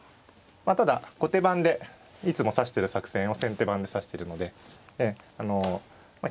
まあただ後手番でいつも指してる作戦を先手番で指してるのであの経験は豊富ですね。